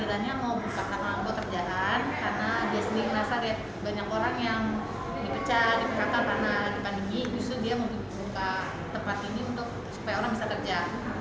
justru dia mau buka tempat ini supaya orang bisa kerja